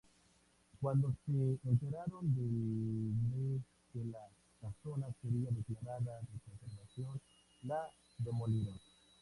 Cuando se enteraron de de que la casona sería declarada de conservación, la demolieron.